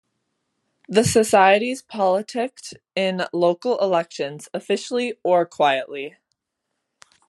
The societies politicked in local elections officially or quietly.